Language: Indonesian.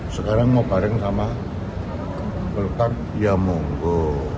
sekarang mau bareng sama golkar ya monggo